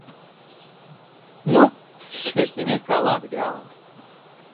Nu! Šķirsimies kā labi draugi.